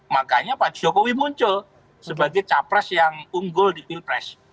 makanya pak jokowi muncul sebagai capres yang unggul di pilpres